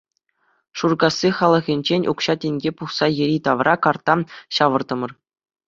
Шуркасси халӑхӗнчен укҫа-тенкӗ пухса йӗри-тавра карта ҫавӑртӑмӑр.